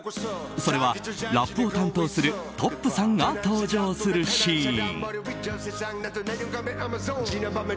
それは、ラップを担当するＴ．Ｏ．Ｐさんが登場するシーン。